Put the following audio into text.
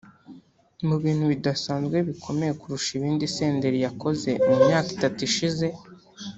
Mu bintu bidasanzwe bikomeye kurusha ibindi Senderi yakoze mu myaka itatu ishize